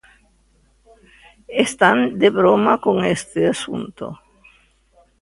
¿Están de broma con este asunto?